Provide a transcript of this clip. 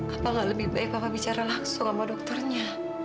apakah lebih baik papa bicara langsung sama dokternya